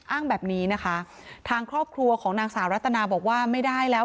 อ้างแบบนี้นะคะทางครอบครัวของนางสาวรัตนาบอกว่าไม่ได้แล้ว